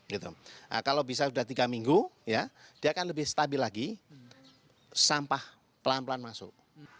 kalau bisa sudah tiga minggu dia akan lebih stabil lagi sampah pelan pelan masuk